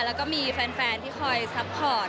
แล้วก็มีแฟนที่คอยซัพพอร์ต